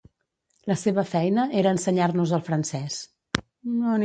La seva feina era ensenyar-nos el francès.